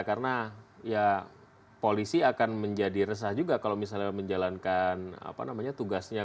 karena ya polisi akan menjadi resah juga kalau misalnya menjalankan tugasnya